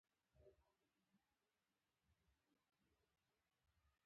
مسلمانانو ستونزو ریښه اضافات کې نغښې ده.